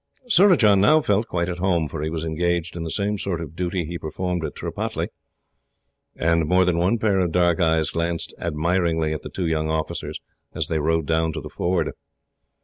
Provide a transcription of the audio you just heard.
Surajah now felt quite at home, for he was engaged in the same sort of duty he performed at Tripataly; and more than one pair of dark eyes glanced admiringly at the two young officers, as they rode down to the ford.